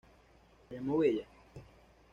La llamó Bella.